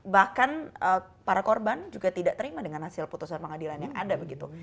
bahkan para korban juga tidak terima dengan hasil putusan pengadilan yang ada begitu